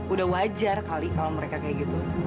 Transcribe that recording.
udah wajar kali kalau mereka kayak gitu